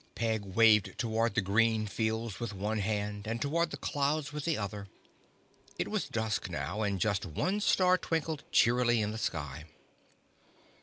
Peg waved toward the green fields with one hand and toward the clouds with the other. It was dusk now and just one star twinkled cheerily in the sky.